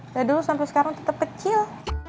dari dulu sampe sekarang tetep kecil